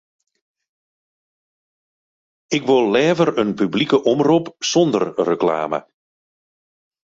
Ik wol leaver in publike omrop sonder reklame.